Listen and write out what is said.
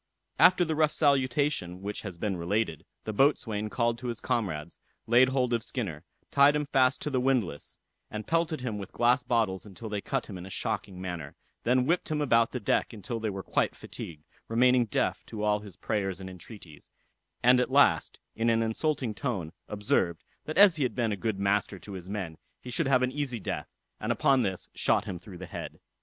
After the rough salutation which has been related, the boatswain called to his comrades, laid hold of Skinner, tied him fast to the windlass, and pelted him with glass bottles until they cut him in a shocking manner, then whipped him about the deck until they were quite fatigued, remaining deaf to all his prayers and entreaties; and at last, in an insulting tone, observed, that as he had been a good master to his men, he should have an easy death, and upon this shot him through the head.